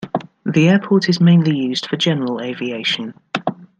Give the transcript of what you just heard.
The airport is mainly used for general aviation.